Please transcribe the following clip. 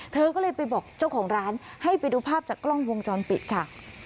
เธอก็เลยไปบอกเจ้าของร้านให้ไปดูภาพจากกล้องวงจรปิดค่ะ